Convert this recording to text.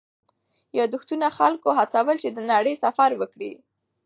یادښتونه خلکو هڅول چې د نړۍ سفر وکړي.